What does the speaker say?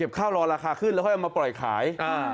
ข้าวรอราคาขึ้นแล้วค่อยเอามาปล่อยขาย